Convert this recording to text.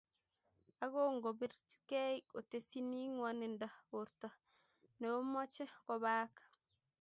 Ako ngobirkei otesyini ngwonindo borto neomoche kobaak